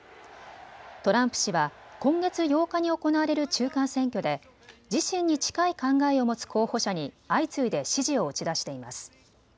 トランプ氏は今月８日に行われる中間選挙で自身に近い考えを持つ候補者に相次いで支持を打ち出しています。